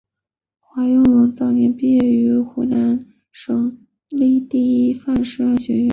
刘仲容早年毕业于湖南省立第一师范学校。